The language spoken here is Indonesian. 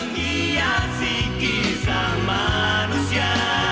nya si kisah manusia